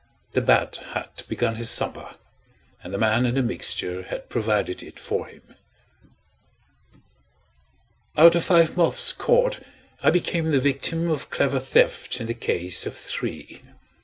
The bat had begun his supper, and the man and the mixture had provided it for him. Out of five moths caught, I became the victim of clever theft in the case of three.